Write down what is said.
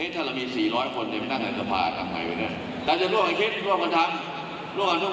แต่ผมควรติดใจนะตัวผมหัวใจสิงห่วง